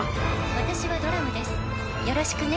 「私はドラムですよろしくね」